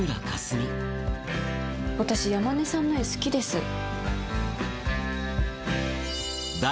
私山音さんの絵好きです。